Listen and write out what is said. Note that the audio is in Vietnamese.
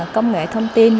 công nghệ thông tin